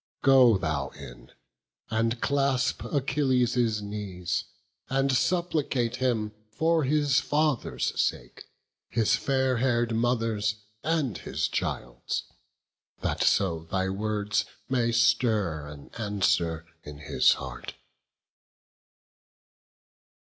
But go thou in, and clasp Achilles' knees, And supplicate him for his father's sake, His fair hair'd mother's, and his child's, that so Thy words may stir an answer in his heart."